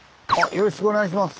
よろしくお願いします。